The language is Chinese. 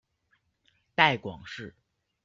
带广市